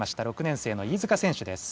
６年生の飯塚選手です。